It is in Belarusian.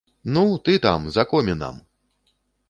Ну, ты там, за комінам!